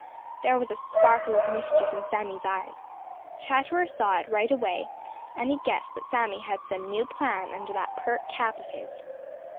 There was a sparkle of mischief in Sammy's eyes. Chatterer saw it right away, and he guessed that Sammy had some new plan under that pert cap of his.